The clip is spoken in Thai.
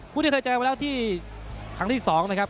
คู่ที่เคยเจอกันมาแล้วที่ครั้งที่สองนะครับ